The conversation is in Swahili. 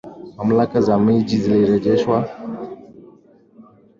Mamlaka za Miji zilirejeshewa madaraka mwaka elfu moja mia tisa sabini na nane